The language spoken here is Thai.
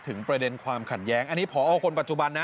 ประเด็นความขัดแย้งอันนี้พอคนปัจจุบันนะ